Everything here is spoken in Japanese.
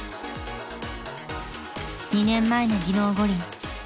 ［２年前の技能五輪］